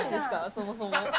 そもそも。